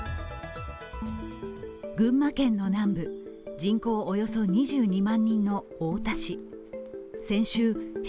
群馬県の南部、人口およそ２２万人の太田市。